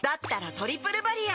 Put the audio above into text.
「トリプルバリア」